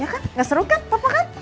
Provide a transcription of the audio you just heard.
ya kan gak seru kan papa kan